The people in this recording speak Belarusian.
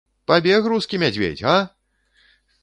Пабег рускі мядзведзь, га!